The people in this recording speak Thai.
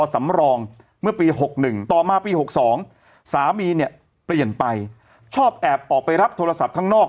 สำรองเมื่อปี๖๑ต่อมาปี๖๒สามีเนี่ยเปลี่ยนไปชอบแอบออกไปรับโทรศัพท์ข้างนอก